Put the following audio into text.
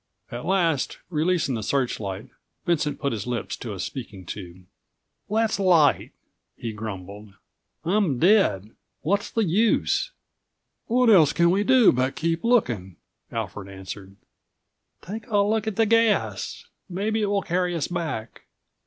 At last, releasing the searchlight,153 Vincent put his lips to a speaking tube. "Let's light," he grumbled. "I'm dead. What's the use?" "What else can we do but keep looking?" Alfred answered. "Take a look at the gas. Maybe it will carry us back."